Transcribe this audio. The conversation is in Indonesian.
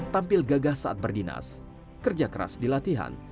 tampil gagah saat berdinas kerja keras di latihan